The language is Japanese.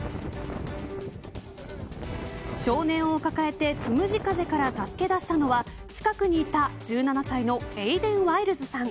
少年を抱えて、つむじ風から助け出したのは近くにいた１７歳のエイデン・ワイルズさん。